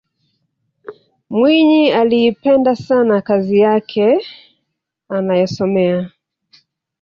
mwinyi aliipenda sana kazi yake anayosomea